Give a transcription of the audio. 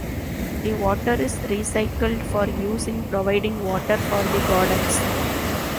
The water is recycled for use in providing water for the gardens.